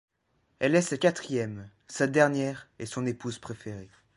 Elle est sa quatrième, sa dernière et son épouse préférée.